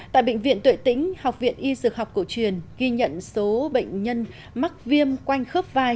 tại bệnh viện tuệ tĩnh học viện y dược học cổ truyền ghi nhận số bệnh nhân mắc viêm quanh khớp vai